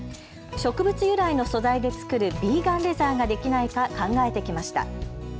植物由来の素材でつくるビーガンレザーができないか考えてきました。